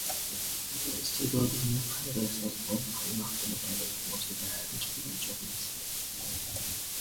Agar iste’dodingni qadrlasang, ommani maftun etadigan vositalar ketidan chopmaysan.